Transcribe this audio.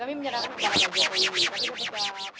kami menyerahkan kepada pak jokowi